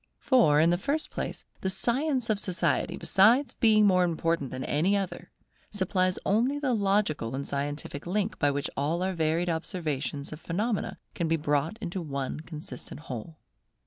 For, in the first place, the science of Society, besides being more important than any other, supplies the only logical and scientific link by which all our varied observations of phenomena can be brought into one consistent whole.